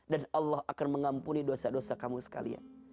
dan allah akan mengampuni dosa dosa kamu sekalian